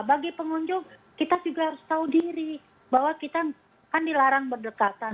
bagi pengunjung kita juga harus tahu diri bahwa kita kan dilarang berdekatan